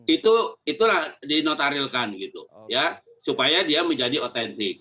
itulah dinotarilkan gitu ya supaya dia menjadi otentik